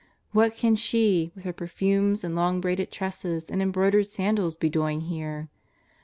What can she, with her per fumes and long braided tresses and embroidered sandals, be doing here